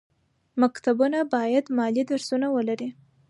مکتبونه باید مالي درسونه ولري.